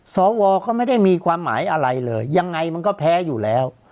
สวก็ไม่ได้มีความหมายอะไรเลยยังไงมันก็แพ้อยู่แล้ว